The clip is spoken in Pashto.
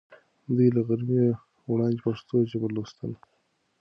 دوی له غرمې وړاندې پښتو ژبه لوستله.